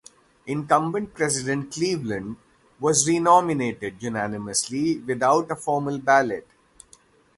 Incumbent President Cleveland was re-nominated unanimously without a formal ballot.